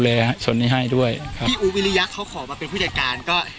แลสนิทให้ด้วยพี่อูวิริยะค์เขาขอมาเป็นผู้จัดการก็